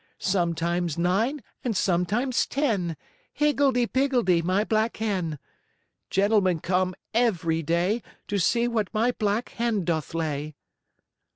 Sometimes nine and sometimes ten. Higgledee Piggledee, my black hen. Gentlemen come every day, To see what my black hen doth lay."